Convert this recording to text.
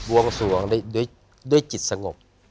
วงสวงด้วยจิตสงบ